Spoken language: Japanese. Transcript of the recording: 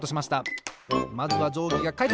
まずはじょうぎがかいてん！